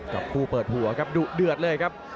กับคู่เปิดหัวครับดุเดือดเลยครับ